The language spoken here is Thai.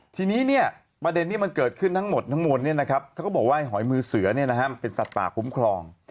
ทีนี้ประเด็นที่มันเกิดขึ้นทั้งหมดทั้งมวลเขาก็บอกว่าหอยมือเสือมันเป็นสัตว์ป่าคุ้มครอง